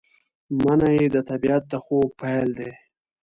منی د طبیعت د خوب پیل دی